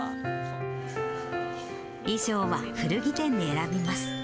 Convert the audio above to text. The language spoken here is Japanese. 衣装は古着店で選びます。